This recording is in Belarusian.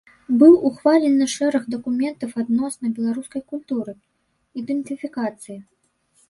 Быў ухвалены шэраг дакументаў адносна беларускай культуры, ідэнтыфікацыі.